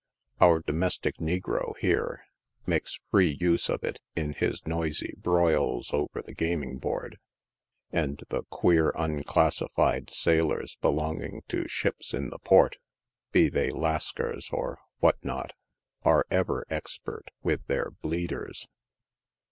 Our domestic negro, here, makes free use of it in his noisy broils over the gaming board ; and the queer, unclassified sailors belonging to ships in the port — be they Lascars, or what not — are ever experi with their u bleeders."